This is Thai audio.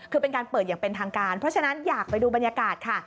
คือเป็นการเปิดอย่างเป็นทางการเพราะฉะนั้นอยากไปดูบรรยากาศค่ะ